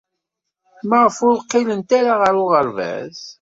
Maɣef ur qqilent ara ɣer uɣerbaz?